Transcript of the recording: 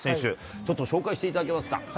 ちょっと紹介していただけますか。